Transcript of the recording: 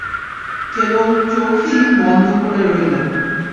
কেবল চোখই বন্ধ করে রইলেন।